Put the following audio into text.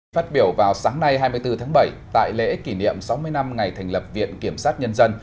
phát biểu vào sáng nay hai mươi bốn tháng bảy tại lễ kỷ niệm sáu mươi năm ngày thành lập viện kiểm sát nhân dân